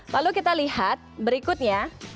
lalu kita lihat berikutnya